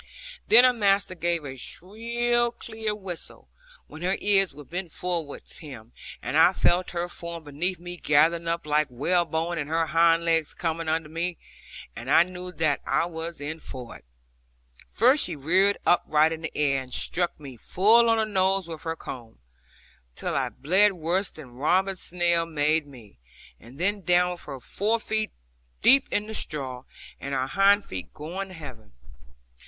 Then her master gave a shrill clear whistle, when her ears were bent towards him, and I felt her form beneath me gathering up like whalebone, and her hind legs coming under her, and I knew that I was in for it. First she reared upright in the air, and struck me full on the nose with her comb, till I bled worse than Robin Snell made me; and then down with her fore feet deep in the straw, and her hind feet going to heaven.